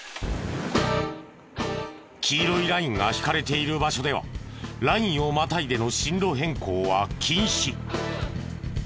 黄色いラインが引かれている場所ではラインをまたいでの進路変更は禁止。